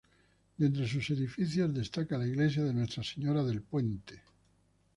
De entre sus edificios, destaca la iglesia de Nuestra Señora del Puente.